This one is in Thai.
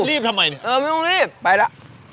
รีบทำไมเออไม่ต้องรีบไปล่ะ